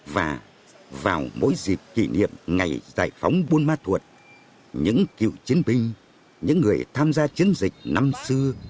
và vào mỗi dịp kỷ niệm ngày giải phóng buôn ma thuột những cựu chiến binh những người tham gia chiến dịch năm xưa